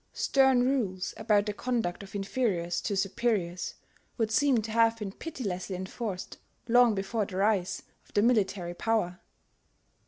Stern rules about the conduct of inferiors to superiors would seem to have been pitilessly enforced long before the rise of the military power.